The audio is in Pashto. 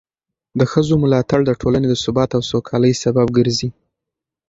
د ښځو ملاتړ د ټولنې د ثبات او سوکالۍ سبب ګرځي.